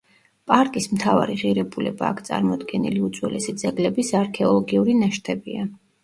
პარკის მთავარი ღირებულება აქ წარმოდგენილი უძველესი ძეგლების არქეოლოგიური ნაშთებია.